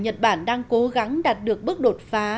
nhật bản đang cố gắng đạt được bước đột phá